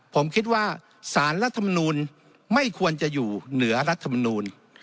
ผมคิดว่าสารรัฐมนูลไม่ควรจะอยู่เหนือรัฐมนูล